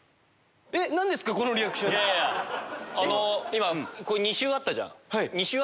今２周あったじゃん。